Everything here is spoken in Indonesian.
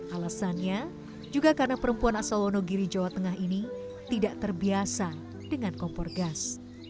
alasannya juga karena perempuan asal wonogiri jawa tengah ini tidak terbiasa dengan kompor gas